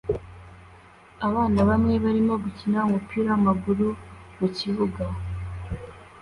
Abana bamwe barimo gukina umupira wamaguru-mukibuga